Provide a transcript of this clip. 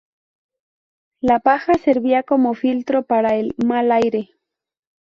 La paja servía como filtro para el "mal aire".